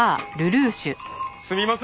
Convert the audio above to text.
すみません。